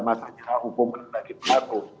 masa jelang hukuman bagi pelaku